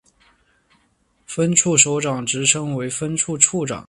分处首长职称为分处处长。